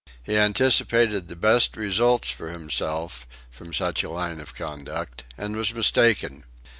He anticipated the best results, for himself, from such a line of conduct and was mistaken.